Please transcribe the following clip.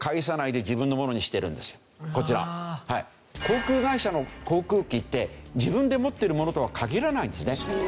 航空会社の航空機って自分で持ってるものとは限らないんですね。